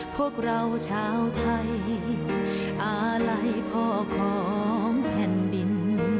พวกเราชาวไทยอาลัยพ่อของแผ่นดิน